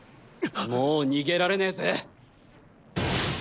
もう逃げられねえぜ！